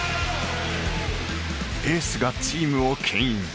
エースがチームを牽引。